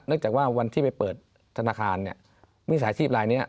นึกจากว่าวันที่ไปเปิดธนาคารเนี่ยมีสายชีพรายเนี่ย